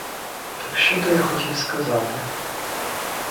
Так що то я хотів сказати?